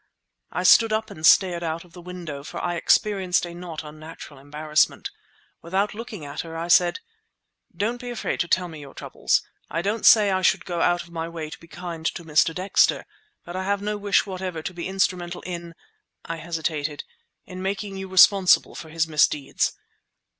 I stood up and stared out of the window, for I experienced a not unnatural embarrassment. Without looking at her I said— "Don't be afraid to tell me your troubles. I don't say I should go out of my way to be kind to Mr. Dexter, but I have no wish whatever to be instrumental in"—I hesitated—"in making you responsible for his misdeeds.